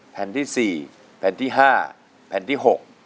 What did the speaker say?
แผ่นที่๔แผ่นที่๕แผ่นที่๖